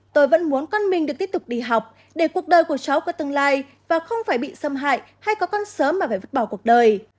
tôi vẫn muốn con mình được tiếp tục đi học để cuộc đời của cháu có tương lai và không phải bị xâm hại hay có con sớm mà phải vứt bỏ cuộc đời